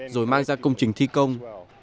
rồi mang ra công trình thi công